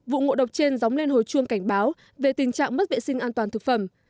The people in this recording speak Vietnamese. vụ ngộ độc trên dóng lên hồi chuông cảnh báo về tình trạng mất vệ sinh an toàn thực phẩm